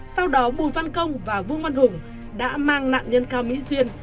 sau đó bùi văn công và vương văn hùng đã mang nạn nhân cao mỹ duyên